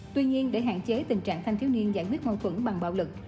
tuy nhiên để hạn chế tình trạng thanh thiếu niên giải quyết mâu thuẫn bằng bạo lực